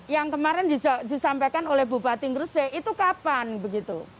yang kemarin disampaikan oleh bupati ngeresek itu kapan begitu